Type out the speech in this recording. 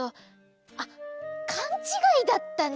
あっかんちがいだったんじゃ。